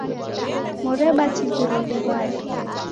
Morebaptiziroghe w'ada?